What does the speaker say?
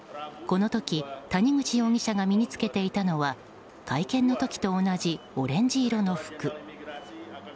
この時谷口容疑者が身に着けていたのは会見の時と同じオレンジ色の服。